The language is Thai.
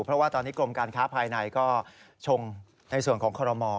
เพราะว่าตอนนี้กรมการค้าภายในก็ชงในส่วนของคอรมอ